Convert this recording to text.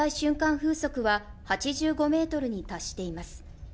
風速は８５メートルに達しています。